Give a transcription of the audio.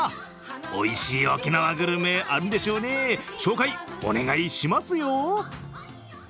おいしい沖縄グルメ、あるんでしょうね、紹介、お願いしますよ。